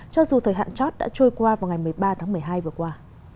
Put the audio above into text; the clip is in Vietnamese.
cho dù thời hạn chót đã trôi qua vào ngày một mươi ba tháng một mươi hai vừa qua